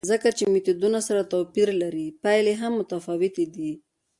ځکه چې میتودونه سره توپیر لري، پایلې هم متفاوتې دي.